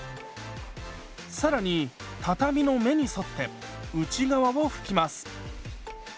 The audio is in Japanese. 更に畳の目に沿って内側を拭きます。